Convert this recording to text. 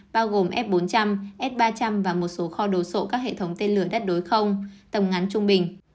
bao gồm f bốn trăm linh s ba trăm linh và một số kho đồ sộ các hệ thống tên lửa đất đối không tầm ngắn trung bình